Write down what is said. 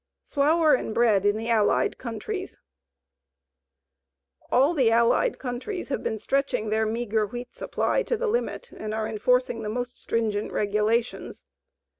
FLOUR AND BREAD IN THE ALLIED COUNTRIES All the Allied countries have been stretching their meagre wheat supply to the limit and are enforcing the most stringent regulations.